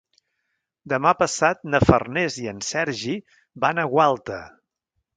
Demà passat na Farners i en Sergi van a Gualta.